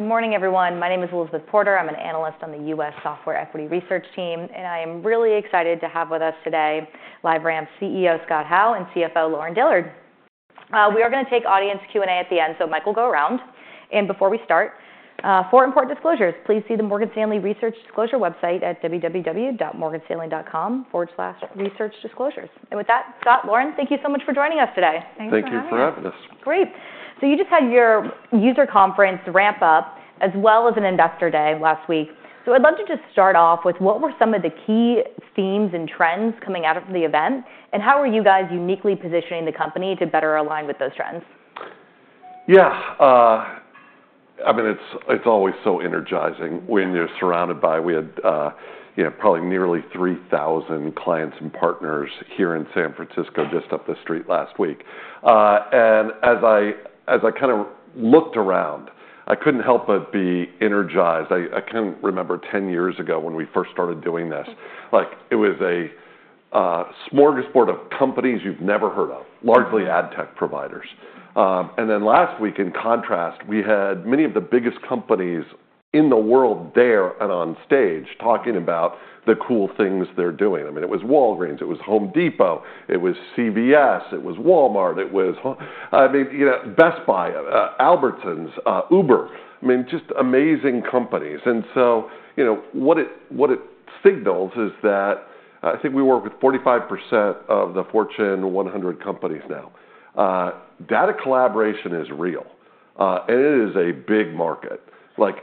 Good morning, everyone. My name is Elizabeth Porter. I'm an analyst on the U.S. Software Equity Research team, and I am really excited to have with us today LiveRamp CEO Scott Howe and CFO Lauren Dillard. We are going to take audience Q&A at the end, so Michael will go around. Before we start, four important disclosures. Please see the Morgan Stanley Research Disclosure website at www.morganstanley.com/researchdisclosures. With that, Scott, Lauren, thank you so much for joining us today. Thank you for having us. Great. You just had your user conference, RampUp, as well as an Investor Day last week. I'd love to just start off with what were some of the key themes and trends coming out of the event, and how are you guys uniquely positioning the company to better align with those trends? Yeah. I mean, it's always so energizing when you're surrounded by—we had probably nearly 3,000 clients and partners here in San Francisco just up the street last week. As I kind of looked around, I couldn't help but be energized. I can remember 10 years ago when we first started doing this. It was a smorgasbord of companies you've never heard of, largely ad tech providers. Last week, in contrast, we had many of the biggest companies in the world there and on stage talking about the cool things they're doing. I mean, it was Walgreens, it was Home Depot, it was CVS, it was Walmart, it was Best Buy, Albertsons, Uber. I mean, just amazing companies. What it signals is that I think we work with 45% of the Fortune 100 companies now. Data collaboration is real, and it is a big market.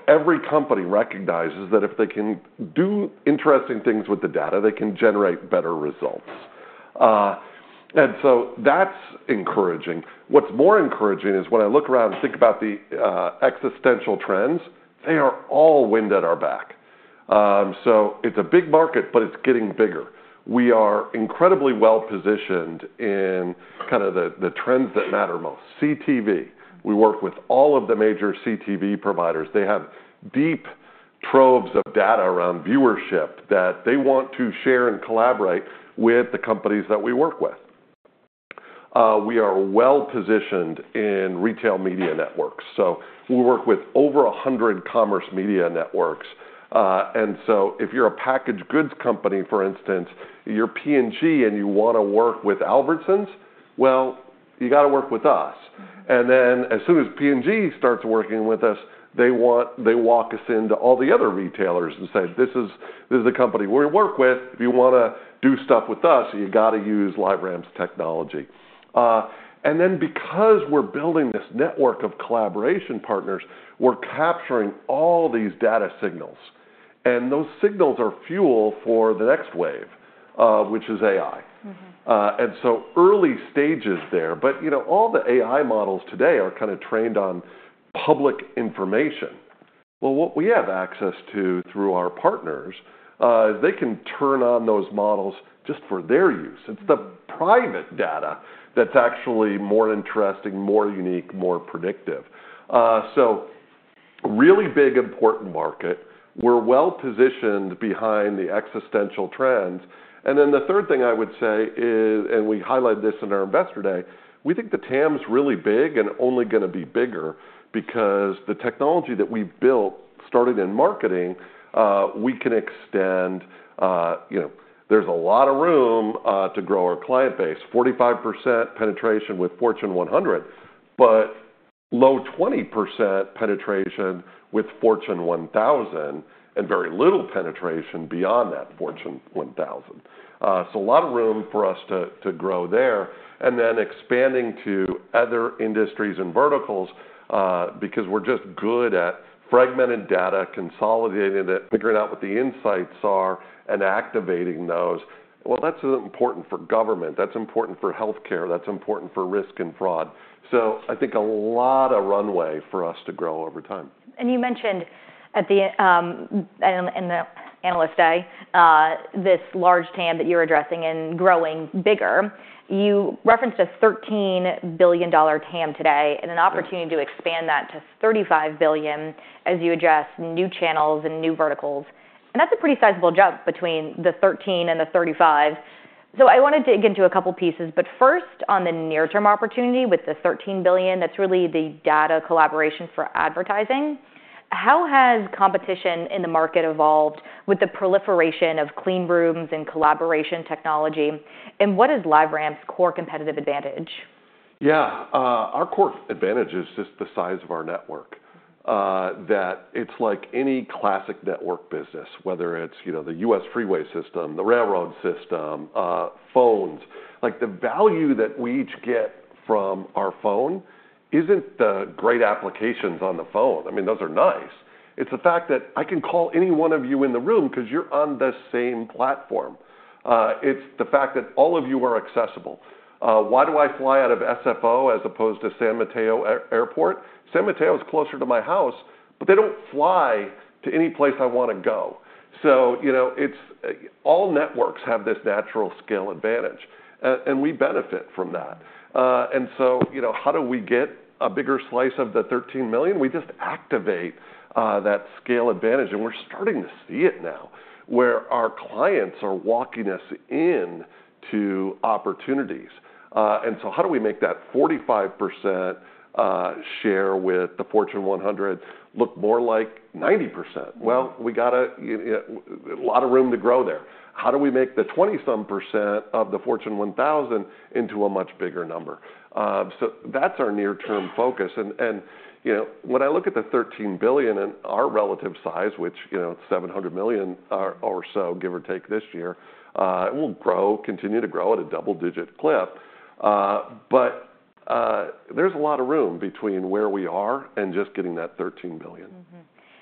Every company recognizes that if they can do interesting things with the data, they can generate better results. That is encouraging. What is more encouraging is when I look around and think about the existential trends, they are all wind at our back. It is a big market, but it is getting bigger. We are incredibly well positioned in kind of the trends that matter most. CTV. We work with all of the major CTV providers. They have deep troves of data around viewership that they want to share and collaborate with the companies that we work with. We are well positioned in retail media networks. We work with over 100 commerce media networks. If you are a packaged goods company, for instance, you are P&G and you want to work with Albertsons, you have to work with us. As soon as P&G starts working with us, they walk us into all the other retailers and say, "This is the company we work with. If you want to do stuff with us, you got to use LiveRamp's technology." Because we're building this network of collaboration partners, we're capturing all these data signals. Those signals are fuel for the next wave, which is AI. Early stages there. All the AI models today are kind of trained on public information. What we have access to through our partners is they can turn on those models just for their use. It's the private data that's actually more interesting, more unique, more predictive. Really big, important market. We're well positioned behind the existential trends. The third thing I would say is, and we highlighted this in our Investor Day, we think the TAM's really big and only going to be bigger because the technology that we've built started in marketing, we can extend. There's a lot of room to grow our client base. 45% penetration with Fortune 100, but low 20% penetration with Fortune 1000 and very little penetration beyond that Fortune 1000. A lot of room for us to grow there. Expanding to other industries and verticals because we're just good at fragmented data, consolidating it, figuring out what the insights are, and activating those. That's important for government. That's important for healthcare. That's important for risk and fraud. I think a lot of runway for us to grow over time. You mentioned in the Analyst Day, this large TAM that you're addressing and growing bigger. You referenced a $13 billion TAM today and an opportunity to expand that to $35 billion as you address new channels and new verticals. That is a pretty sizable jump between the $13 billion and the $35 billion. I want to dig into a couple of pieces. First, on the near-term opportunity with the $13 billion, that is really the data collaboration for advertising. How has competition in the market evolved with the proliferation of Clean Rooms and collaboration technology? What is LiveRamp's core competitive advantage? Yeah. Our core advantage is just the size of our network. It's like any classic network business, whether it's the U.S. freeway system, the railroad system, phones. The value that we each get from our phone isn't the great applications on the phone. I mean, those are nice. It's the fact that I can call any one of you in the room because you're on the same platform. It's the fact that all of you are accessible. Why do I fly out of SFO as opposed to San Mateo Airport? San Mateo is closer to my house, but they don't fly to any place I want to go. All networks have this natural scale advantage, and we benefit from that. How do we get a bigger slice of the $13 million? We just activate that scale advantage. We're starting to see it now where our clients are walking us into opportunities. How do we make that 45% share with the Fortune 100 look more like 90%? We got a lot of room to grow there. How do we make the 20-some percent of the Fortune 1000 into a much bigger number? That's our near-term focus. When I look at the $13 billion and our relative size, which is $700 million or so, give or take this year, it will continue to grow at a double-digit clip. There's a lot of room between where we are and just getting that $13 billion.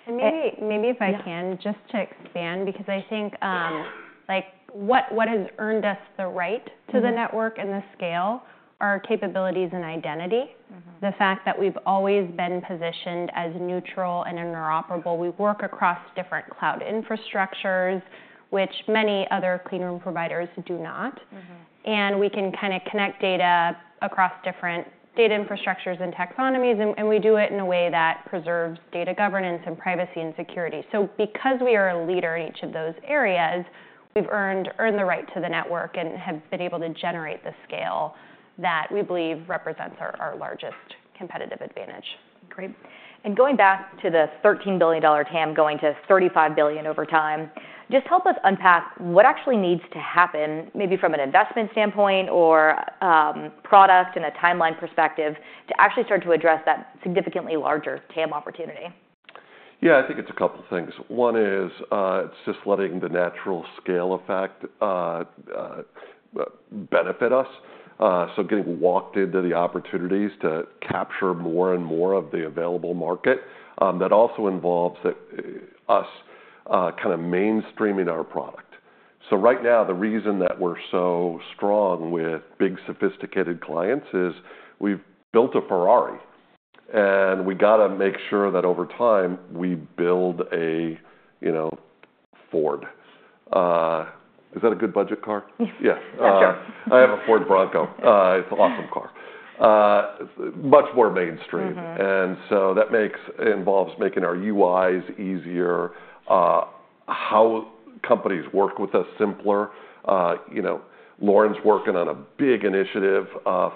Maybe if I can just expand, because I think what has earned us the right to the network and the scale are capabilities and identity. The fact that we've always been positioned as neutral and interoperable. We work across different cloud infrastructures, which many other Clean Room providers do not. We can kind of connect data across different data infrastructures and taxonomies. We do it in a way that preserves data governance and privacy and security. Because we are a leader in each of those areas, we've earned the right to the network and have been able to generate the scale that we believe represents our largest competitive advantage. Great. Going back to the $13 billion TAM going to $35 billion over time, just help us unpack what actually needs to happen, maybe from an investment standpoint or product and a timeline perspective, to actually start to address that significantly larger TAM opportunity. Yeah. I think it's a couple of things. One is it's just letting the natural scale effect benefit us. Getting walked into the opportunities to capture more and more of the available market. That also involves us kind of mainstreaming our product. Right now, the reason that we're so strong with big, sophisticated clients is we've built a Ferrari. And we got to make sure that over time we build a Ford. Is that a good budget car? Yes. Yeah. I have a Ford Bronco. It's an awesome car. It's much more mainstream. That involves making our UIs easier, how companies work with us simpler. Lauren's working on a big initiative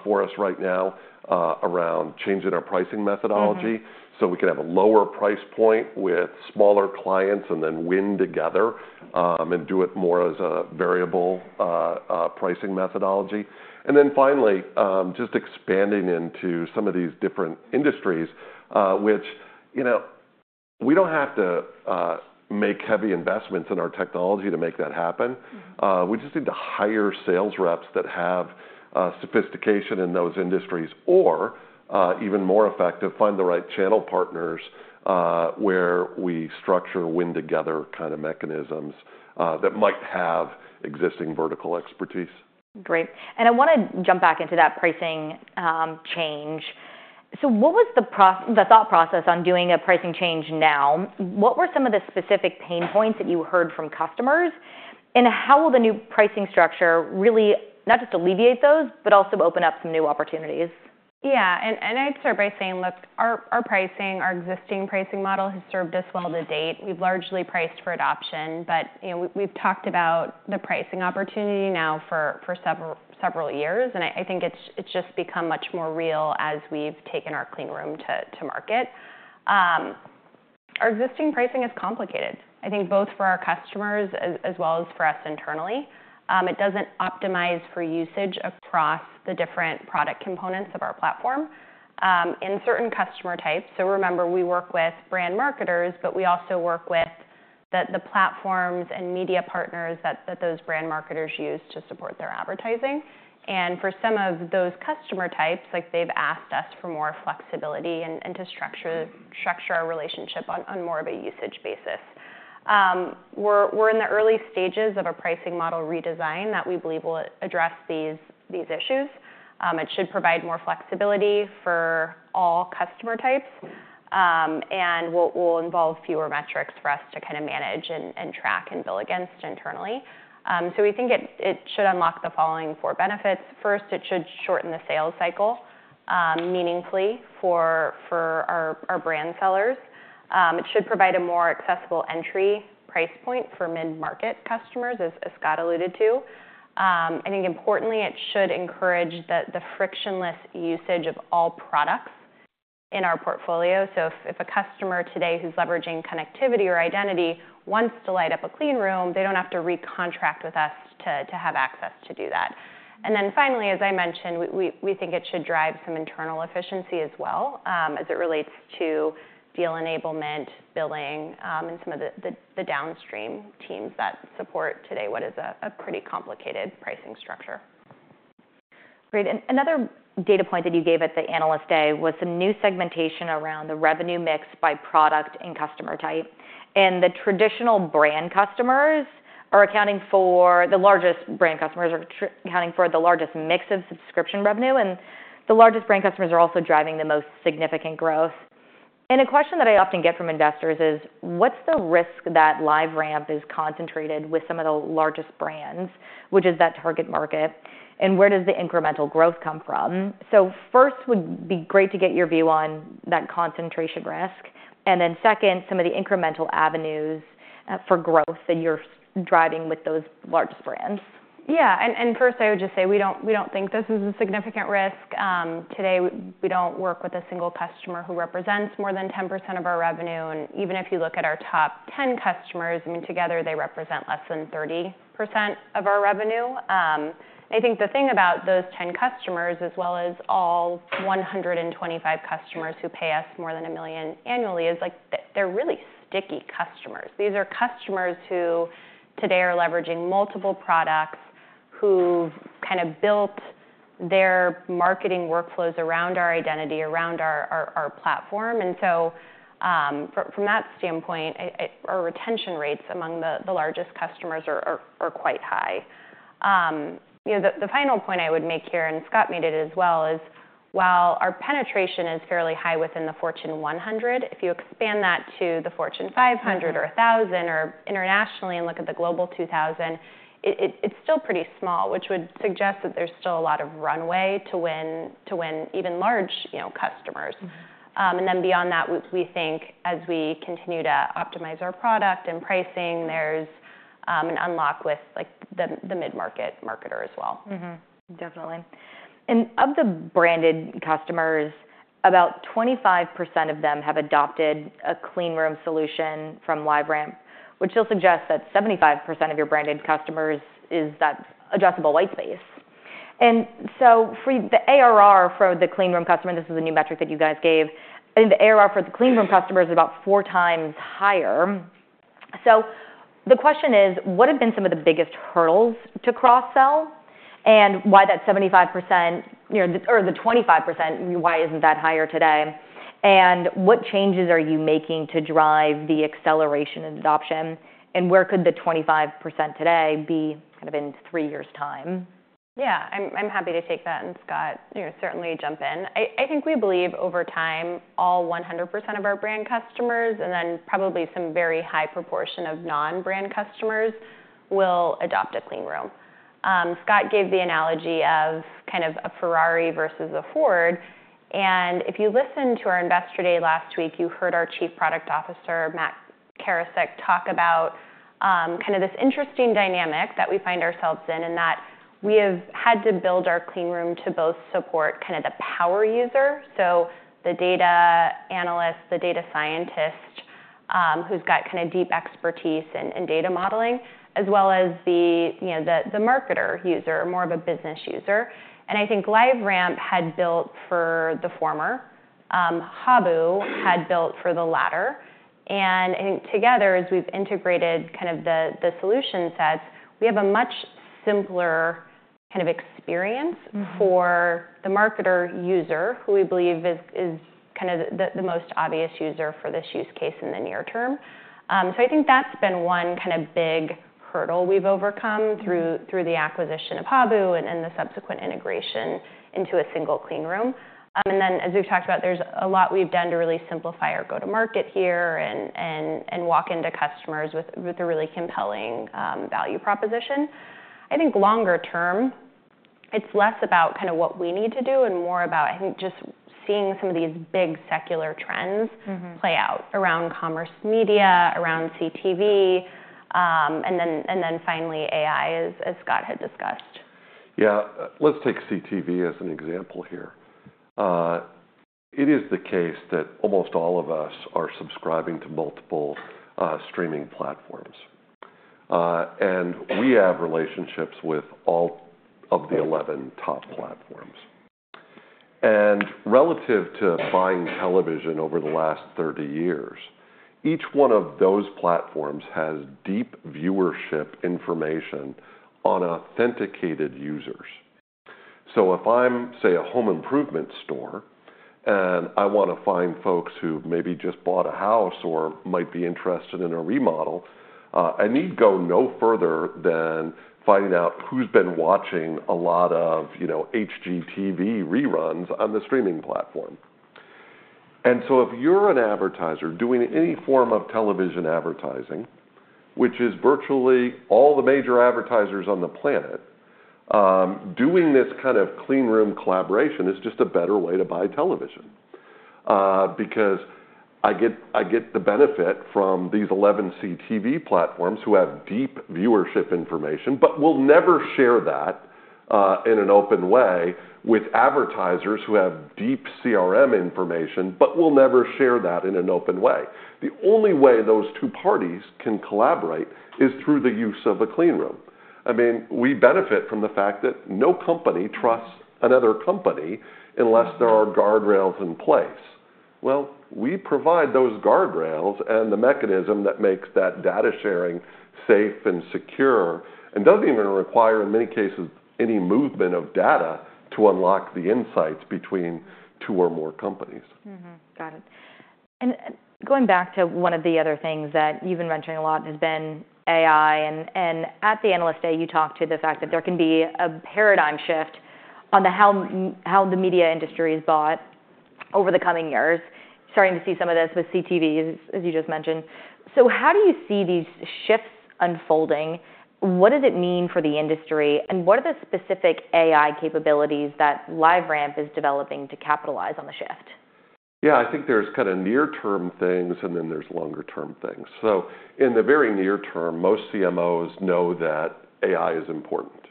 for us right now around changing our pricing methodology so we can have a lower price point with smaller clients and then win together and do it more as a variable pricing methodology. Finally, just expanding into some of these different industries, which we don't have to make heavy investments in our technology to make that happen. We just need to hire sales reps that have sophistication in those industries or, even more effective, find the right channel partners where we structure win-together kind of mechanisms that might have existing vertical expertise. Great. I want to jump back into that pricing change. What was the thought process on doing a pricing change now? What were some of the specific pain points that you heard from customers? How will the new pricing structure really not just alleviate those, but also open up some new opportunities? Yeah. I'd start by saying, look, our existing pricing model has served us well to date. We've largely priced for adoption. We've talked about the pricing opportunity now for several years. I think it's just become much more real as we've taken our Clean Room to market. Our existing pricing is complicated, I think, both for our customers as well as for us internally. It doesn't optimize for usage across the different product components of our platform in certain customer types. Remember, we work with brand marketers, but we also work with the platforms and media partners that those brand marketers use to support their advertising. For some of those customer types, they've asked us for more flexibility and to structure our relationship on more of a usage basis. We're in the early stages of a pricing model redesign that we believe will address these issues. It should provide more flexibility for all customer types and will involve fewer metrics for us to kind of manage and track and bill against internally. We think it should unlock the following four benefits. First, it should shorten the sales cycle meaningfully for our brand sellers. It should provide a more accessible entry price point for mid-market customers, as Scott alluded to. I think importantly, it should encourage the frictionless usage of all products in our portfolio. If a customer today who's leveraging connectivity or identity wants to light up a Clean Room, they do not have to recontract with us to have access to do that. Finally, as I mentioned, we think it should drive some internal efficiency as well as it relates to deal enablement, billing, and some of the downstream teams that support today what is a pretty complicated pricing structure. Great. Another data point that you gave at the Analyst Day was some new segmentation around the revenue mix by product and customer type. The traditional brand customers are accounting for the largest brand customers are accounting for the largest mix of subscription revenue. The largest brand customers are also driving the most significant growth. A question that I often get from investors is, what's the risk that LiveRamp is concentrated with some of the largest brands, which is that target market? Where does the incremental growth come from? First, it would be great to get your view on that concentration risk. Second, some of the incremental avenues for growth that you're driving with those largest brands. Yeah. First, I would just say we do not think this is a significant risk. Today, we do not work with a single customer who represents more than 10% of our revenue. Even if you look at our top 10 customers, I mean, together they represent less than 30% of our revenue. I think the thing about those 10 customers as well as all 125 customers who pay us more than $1 million annually is they are really sticky customers. These are customers who today are leveraging multiple products, who have kind of built their marketing workflows around our identity, around our platform. From that standpoint, our retention rates among the largest customers are quite high. The final point I would make here, and Scott made it as well, is while our penetration is fairly high within the Fortune 100, if you expand that to the Fortune 500 or 1000 or internationally and look at the Global 2000, it's still pretty small, which would suggest that there's still a lot of runway to win even large customers. Beyond that, we think as we continue to optimize our product and pricing, there's an unlock with the mid-market marketer as well. Definitely. Of the branded customers, about 25% of them have adopted a Clean Room solution from LiveRamp, which still suggests that 75% of your branded customers is that addressable white space. For the ARR for the Clean Room customer, this is a new metric that you guys gave. I think the ARR for the Clean Room customers is about four times higher. The question is, what have been some of the biggest hurdles to cross-sell and why that 75% or the 25%, why is not that higher today? What changes are you making to drive the acceleration and adoption? Where could the 25% today be kind of in three years' time? Yeah. I'm happy to take that. Scott, certainly jump in. I think we believe over time, all 100% of our brand customers and then probably some very high proportion of non-brand customers will adopt a Clean Room. Scott gave the analogy of kind of a Ferrari versus a Ford. If you listened to our Investor Day last week, you heard our Chief Product Officer, Matt Karasek, talk about kind of this interesting dynamic that we find ourselves in and that we have had to build our Clean Room to both support kind of the power user, so the data analyst, the data scientist who's got kind of deep expertise in data modeling, as well as the marketer user, more of a business user. I think LiveRamp had built for the former. Habu had built for the latter. I think together, as we've integrated kind of the solution sets, we have a much simpler kind of experience for the marketer user, who we believe is kind of the most obvious user for this use case in the near term. I think that's been one kind of big hurdle we've overcome through the acquisition of Habu and the subsequent integration into a single Clean Room. Then, as we've talked about, there's a lot we've done to really simplify our go-to-market here and walk into customers with a really compelling value proposition. I think longer term, it's less about kind of what we need to do and more about, I think, just seeing some of these big secular trends play out around commerce, media, around CTV, and then finally AI, as Scott had discussed. Yeah. Let's take CTV as an example here. It is the case that almost all of us are subscribing to multiple streaming platforms. We have relationships with all of the 11 top platforms. Relative to buying television over the last 30 years, each one of those platforms has deep viewership information on authenticated users. If I'm, say, a home improvement store and I want to find folks who maybe just bought a house or might be interested in a remodel, I need to go no further than finding out who's been watching a lot of HGTV reruns on the streaming platform. If you're an advertiser doing any form of television advertising, which is virtually all the major advertisers on the planet, doing this kind of Clean Room collaboration is just a better way to buy television because I get the benefit from these 11 CTV platforms who have deep viewership information, but will never share that in an open way with advertisers who have deep CRM information, but will never share that in an open way. The only way those two parties can collaborate is through the use of a Clean Room. I mean, we benefit from the fact that no company trusts another company unless there are guardrails in place. We provide those guardrails and the mechanism that makes that data sharing safe and secure and does not even require, in many cases, any movement of data to unlock the insights between two or more companies. Got it. Going back to one of the other things that you've been mentioning a lot has been AI. At the Analyst Day, you talked to the fact that there can be a paradigm shift on how the media industry is bought over the coming years. Starting to see some of this with CTV, as you just mentioned. How do you see these shifts unfolding? What does it mean for the industry? What are the specific AI capabilities that LiveRamp is developing to capitalize on the shift? Yeah. I think there's kind of near-term things and then there's longer-term things. In the very near term, most CMOs know that AI is important,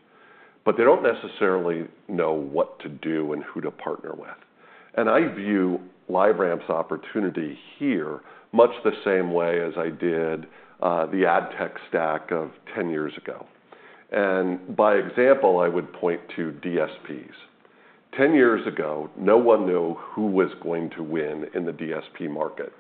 but they don't necessarily know what to do and who to partner with. I view LiveRamp's opportunity here much the same way as I did the ad tech stack of 10 years ago. By example, I would point to DSPs. Ten years ago, no one knew who was going to win in the DSP market.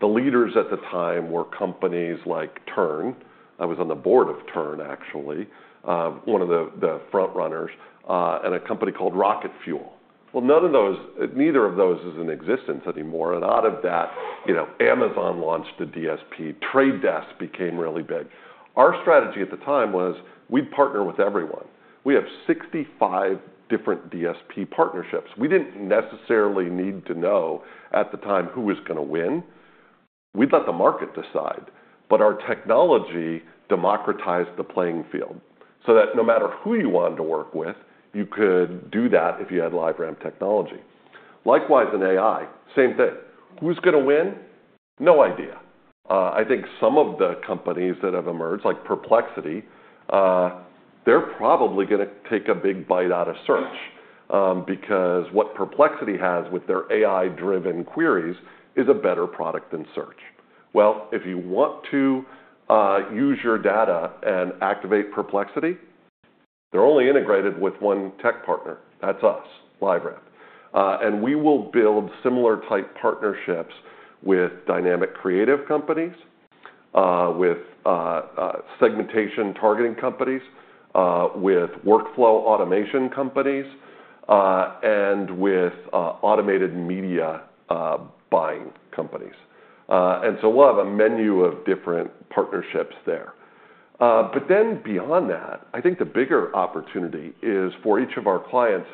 The leaders at the time were companies like Turn. I was on the board of Turn, actually, one of the front runners, and a company called Rocket Fuel. Neither of those is in existence anymore. Out of that, Amazon launched a DSP. Trade Desk became really big. Our strategy at the time was we'd partner with everyone. We have 65 different DSP partnerships. We didn't necessarily need to know at the time who was going to win. We'd let the market decide. Our technology democratized the playing field so that no matter who you wanted to work with, you could do that if you had LiveRamp technology. Likewise in AI, same thing. Who's going to win? No idea. I think some of the companies that have emerged, like Perplexity, they're probably going to take a big bite out of Search because what Perplexity has with their AI-driven queries is a better product than Search. If you want to use your data and activate Perplexity, they're only integrated with one tech partner. That's us, LiveRamp. We will build similar-type partnerships with dynamic creative companies, with segmentation targeting companies, with workflow automation companies, and with automated media buying companies. We will have a menu of different partnerships there. I think the bigger opportunity is for each of our clients.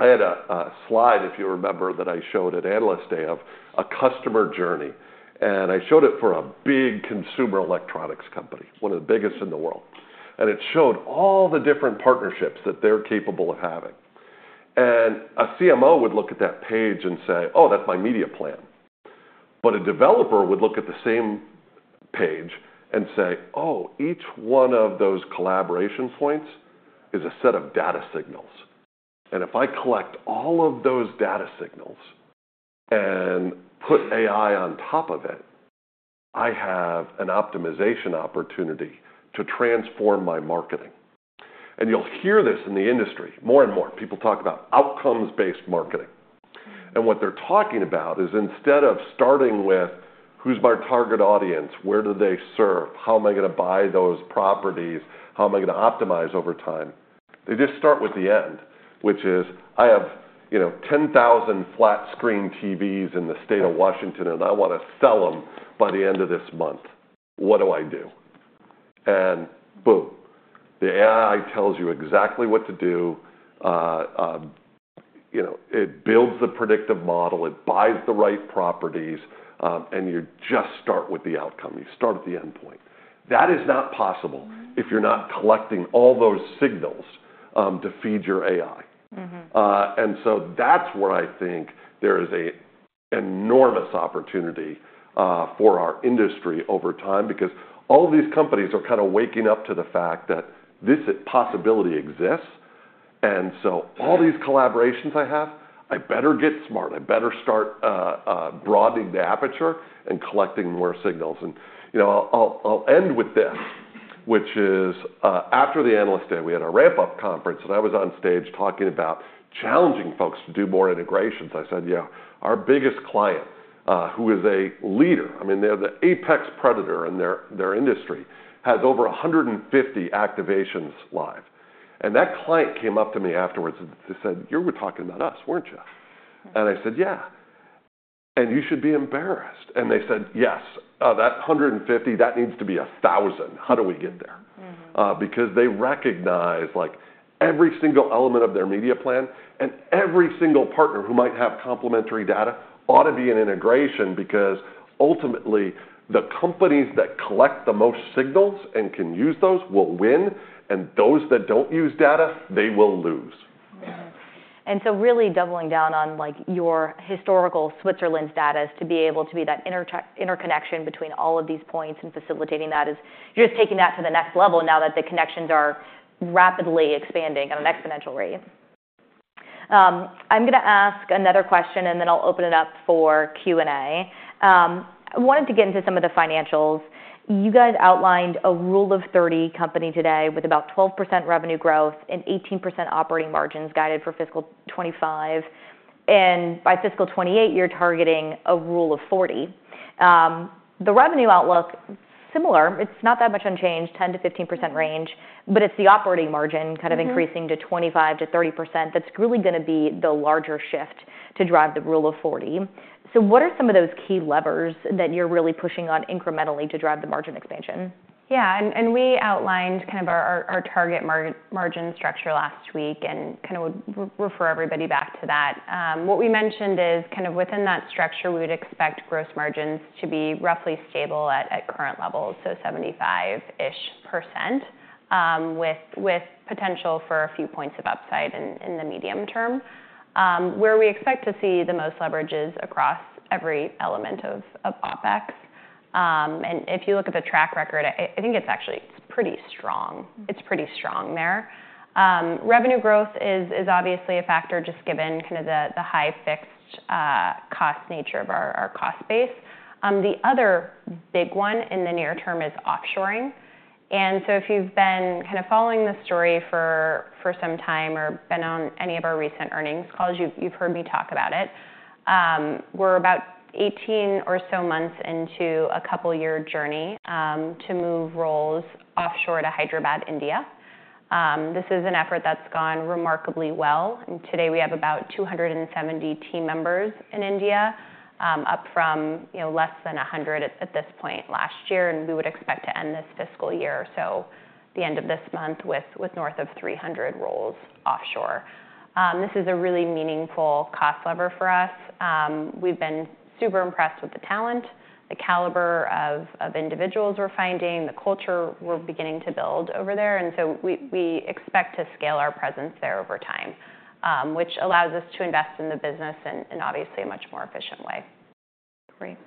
I had a slide, if you remember, that I showed at Analyst Day of a customer journey. I showed it for a big consumer electronics company, one of the biggest in the world. It showed all the different partnerships that they're capable of having. A CMO would look at that page and say, "Oh, that's my media plan." A developer would look at the same page and say, "Oh, each one of those collaboration points is a set of data signals. If I collect all of those data signals and put AI on top of it, I have an optimization opportunity to transform my marketing." You'll hear this in the industry more and more. People talk about outcomes-based marketing. What they're talking about is instead of starting with, "Who's my target audience? Where do they serve? How am I going to buy those properties? How am I going to optimize over time?" they just start with the end, which is, "I have 10,000 flat-screen TVs in the state of Washington, and I want to sell them by the end of this month. What do I do?" Boom, the AI tells you exactly what to do. It builds the predictive model. It buys the right properties. You just start with the outcome. You start at the endpoint. That is not possible if you're not collecting all those signals to feed your AI. That is where I think there is an enormous opportunity for our industry over time because all of these companies are kind of waking up to the fact that this possibility exists. All these collaborations I have, I better get smart. I better start broadening the aperture and collecting more signals. I'll end with this, which is after the Analyst Day, we had a RampUp conference. I was on stage talking about challenging folks to do more integrations. I said, "Yeah, our biggest client, who is a leader, I mean, they're the apex predator in their industry, has over 150 activations live." That client came up to me afterwards and said, "You were talking about us, weren't you?" I said, "Yeah. And you should be embarrassed." They said, "Yes, that 150, that needs to be 1,000. How do we get there?" Because they recognize every single element of their media plan. Every single partner who might have complimentary data ought to be an integration because ultimately, the companies that collect the most signals and can use those will win. Those that do not use data, they will lose. Really doubling down on your historical Switzerland status to be able to be that interconnection between all of these points and facilitating that is you're just taking that to the next level now that the connections are rapidly expanding at an exponential rate. I'm going to ask another question, and then I'll open it up for Q&A. I wanted to get into some of the financials. You guys outlined a rule of 30 company today with about 12% revenue growth and 18% operating margins guided for fiscal 2025. And by fiscal 2028, you're targeting a rule of 40. The revenue outlook is similar. It's not that much unchanged, 10%-15% range. But it's the operating margin kind of increasing to 25%-30% that's really going to be the larger shift to drive the rule of 40. What are some of those key levers that you're really pushing on incrementally to drive the margin expansion? Yeah. We outlined kind of our target margin structure last week and would refer everybody back to that. What we mentioned is within that structure, we would expect gross margins to be roughly stable at current levels, so 75% ish with potential for a few points of upside in the medium term, where we expect to see the most leverage is across every element of OPEX. If you look at the track record, I think it's actually pretty strong. It's pretty strong there. Revenue growth is obviously a factor just given the high fixed cost nature of our cost base. The other big one in the near term is offshoring. If you've been following this story for some time or been on any of our recent earnings calls, you've heard me talk about it. We're about 18 or so months into a couple-year journey to move roles offshore to Hyderabad, India. This is an effort that's gone remarkably well. Today, we have about 270 team members in India, up from less than 100 at this point last year. We would expect to end this fiscal year or so, the end of this month, with north of 300 roles offshore. This is a really meaningful cost lever for us. We've been super impressed with the talent, the caliber of individuals we're finding, the culture we're beginning to build over there. We expect to scale our presence there over time, which allows us to invest in the business in obviously a much more efficient way. Great.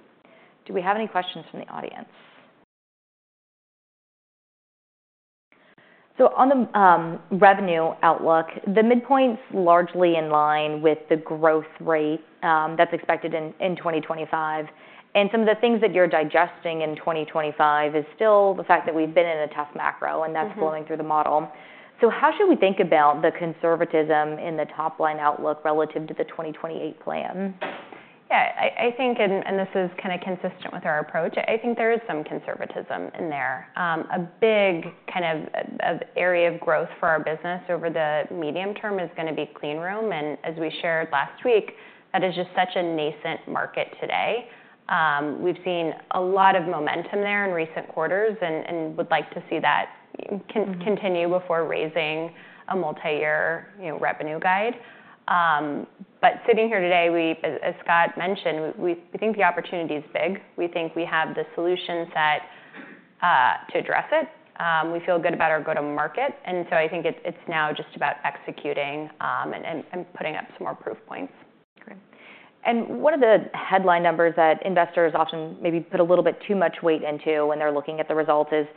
Do we have any questions from the audience? On the revenue outlook, the midpoint's largely in line with the growth rate that's expected in 2025. Some of the things that you're digesting in 2025 is still the fact that we've been in a tough macro, and that's flowing through the model. How should we think about the conservatism in the top-line outlook relative to the 2028 plan? Yeah. I think, and this is kind of consistent with our approach, I think there is some conservatism in there. A big kind of area of growth for our business over the medium term is going to be Clean Room. As we shared last week, that is just such a nascent market today. We've seen a lot of momentum there in recent quarters and would like to see that continue before raising a multi-year revenue guide. Sitting here today, as Scott mentioned, we think the opportunity is big. We think we have the solutions to address it. We feel good about our go-to-market. I think it's now just about executing and putting up some more proof points. Great. One of the headline numbers that investors often maybe put a little bit too much weight into when they're looking at the results is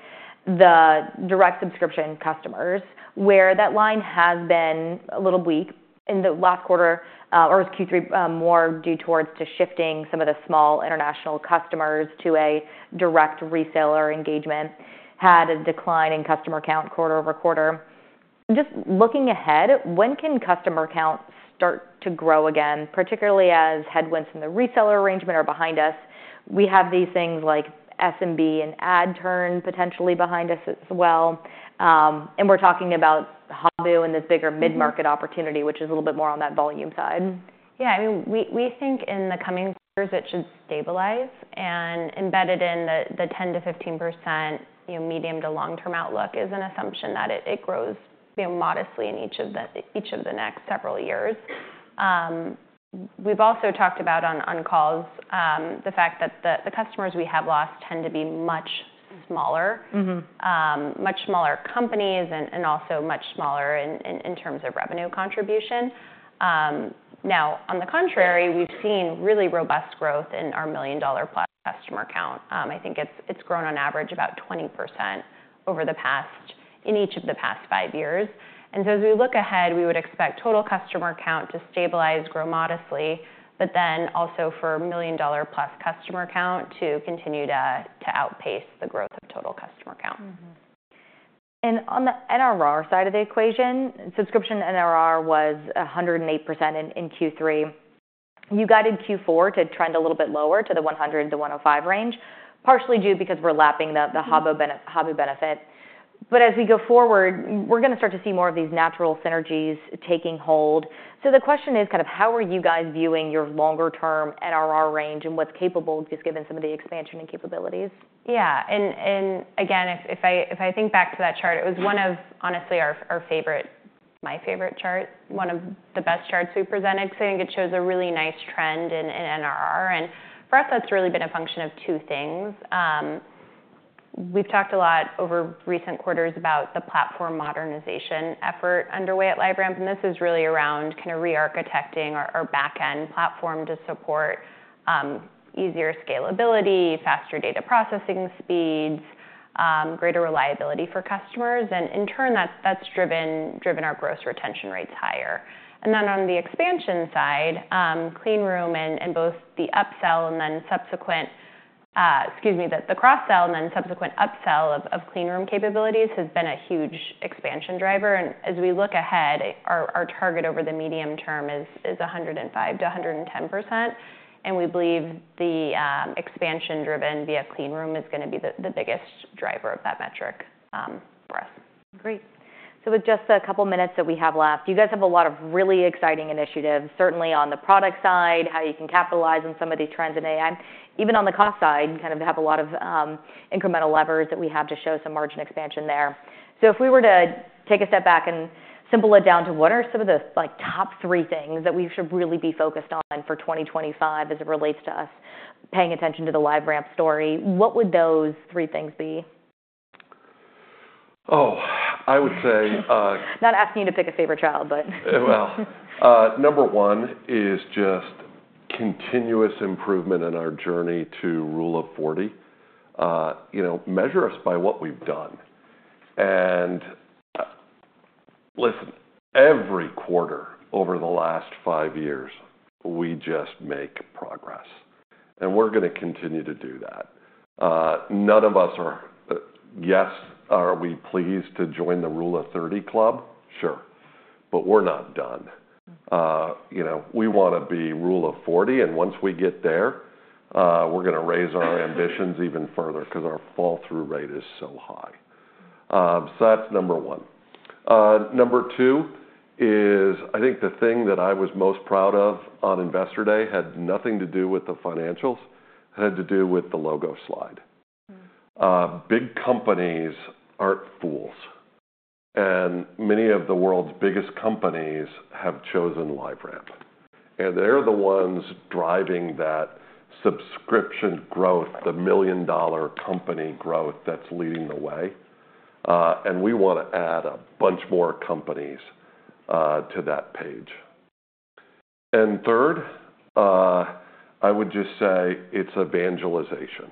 the direct subscription customers, where that line has been a little weak in the last quarter or was Q3 more due towards shifting some of the small international customers to a direct reseller engagement, had a decline in customer count quarter over quarter. Just looking ahead, when can customer count start to grow again, particularly as headwinds from the reseller arrangement are behind us? We have these things like SMB and ad turn potentially behind us as well. We're talking about Habu and this bigger mid-market opportunity, which is a little bit more on that volume side. Yeah. I mean, we think in the coming years, it should stabilize. Embedded in the 10%-15% medium to long-term outlook is an assumption that it grows modestly in each of the next several years. We've also talked about on calls the fact that the customers we have lost tend to be much smaller, much smaller companies, and also much smaller in terms of revenue contribution. Now, on the contrary, we've seen really robust growth in our million-dollar-plus customer count. I think it's grown on average about 20% over the past in each of the past five years. As we look ahead, we would expect total customer count to stabilize, grow modestly, but then also for million-dollar-plus customer count to continue to outpace the growth of total customer count. On the NRR side of the equation, subscription NRR was 108% in Q3. You guided Q4 to trend a little bit lower to the 100-105% range, partially due because we're lapping the Habu benefit. As we go forward, we're going to start to see more of these natural synergies taking hold. The question is kind of how are you guys viewing your longer-term NRR range and what's capable, just given some of the expansion and capabilities? Yeah. If I think back to that chart, it was one of, honestly, my favorite charts, one of the best charts we presented because I think it shows a really nice trend in NRR. For us, that's really been a function of two things. We've talked a lot over recent quarters about the platform modernization effort underway at LiveRamp. This is really around kind of re-architecting our backend platform to support easier scalability, faster data processing speeds, greater reliability for customers. In turn, that's driven our gross retention rates higher. On the expansion side, Clean Room and both the upsell and then subsequent, excuse me, the cross-sell and then subsequent upsell of Clean Room capabilities has been a huge expansion driver. As we look ahead, our target over the medium term is 105%-110%. We believe the expansion driven via Clean Room is going to be the biggest driver of that metric for us. Great. With just the couple of minutes that we have left, you guys have a lot of really exciting initiatives, certainly on the product side, how you can capitalize on some of these trends in AI, even on the cost side, kind of have a lot of incremental levers that we have to show some margin expansion there. If we were to take a step back and simple it down to what are some of the top three things that we should really be focused on for 2025 as it relates to us paying attention to the LiveRamp story, what would those three things be? Oh, I would say. Not asking you to pick a favorite child, but. Number one is just continuous improvement in our journey to rule of 40. Measure us by what we've done. Listen, every quarter over the last five years, we just make progress. We're going to continue to do that. Are we pleased to join the rule of 30 club? Sure. We're not done. We want to be rule of 40. Once we get there, we're going to raise our ambitions even further because our fall-through rate is so high. That's number one. Number two is I think the thing that I was most proud of on Investor Day had nothing to do with the financials. It had to do with the logo slide. Big companies aren't fools. Many of the world's biggest companies have chosen LiveRamp. They are the ones driving that subscription growth, the million-dollar company growth that is leading the way. We want to add a bunch more companies to that page. Third, I would just say it is evangelization.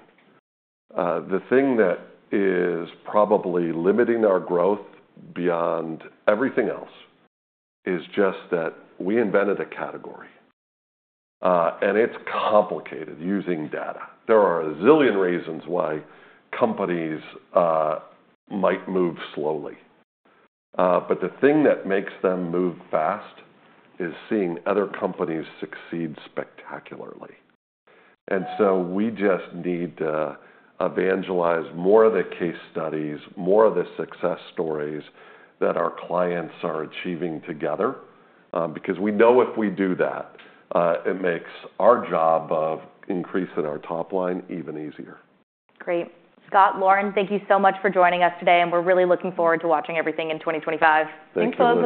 The thing that is probably limiting our growth beyond everything else is just that we invented a category. It is complicated using data. There are a zillion reasons why companies might move slowly. The thing that makes them move fast is seeing other companies succeed spectacularly. We just need to evangelize more of the case studies, more of the success stories that our clients are achieving together because we know if we do that, it makes our job of increasing our top line even easier. Great. Scott, Lauren, thank you so much for joining us today. We are really looking forward to watching everything in 2025. Thank you.